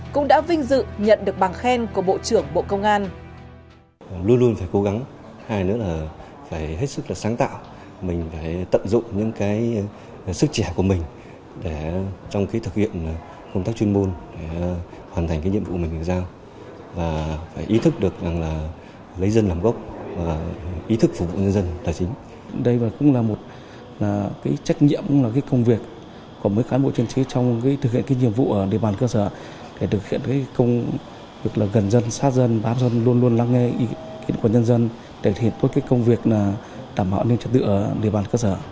cũng đã vinh dự nhận được bằng khen của bộ trưởng bộ công an